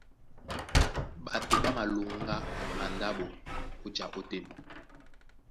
Ɓato ɓá malóŋgá mandáɓo ó ja ótên.